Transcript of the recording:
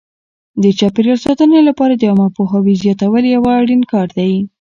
د چاپیریال ساتنې لپاره د عامه پوهاوي زیاتول یو اړین کار دی.